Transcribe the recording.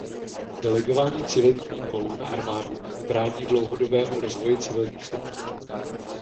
Delegování civilních úkolů na armádu brání dlouhodobému rozvoji civilních struktur.